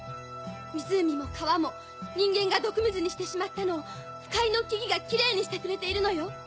湖も川も人間が毒水にしてしまったのを腐海の木々がきれいにしてくれているのよ。